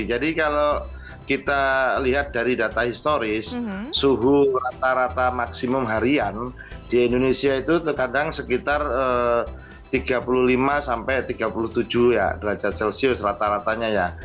kalau kita lihat dari data historis suhu rata rata maksimum harian di indonesia itu terkadang sekitar tiga puluh lima sampai tiga puluh tujuh ya derajat celcius rata ratanya ya